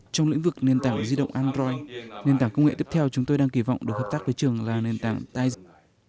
trong lĩnh vực nền tảng di động android nền tảng công nghệ tiếp theo chúng tôi đang kỳ vọng được hợp tác với trường là nền tảng zest